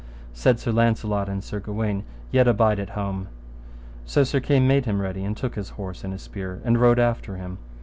Said Sir Launcelot and Sir Gawaine, Yet abide at home. So Sir Kay made him ready and took his horse and his spear, and rode after him.